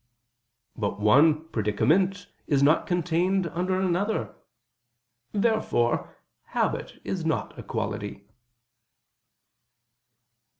But one predicament is not contained under another. Therefore habit is not a quality.